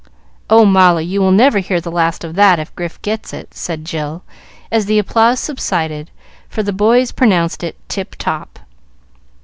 "O Molly, you will never hear the last of that if Grif gets it," said Jill, as the applause subsided, for the boys pronounced it "tip top."